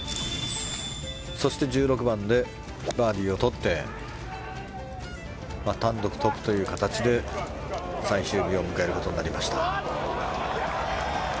そして１６番でバーディーをとって単独トップという形で最終日を迎えることになりました。